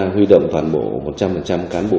huy động toàn bộ một trăm linh cán bộ